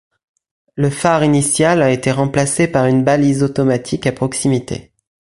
Le phare initial a été remplacé par une balise automatique à proximité.